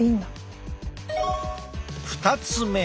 ２つ目。